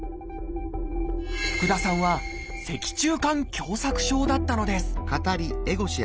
福田さんは「脊柱管狭窄症」だったのです。